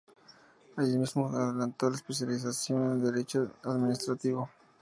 Allí mismo adelantó la especialización en derecho administrativo.